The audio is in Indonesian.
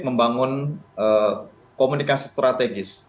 membangun komunikasi strategis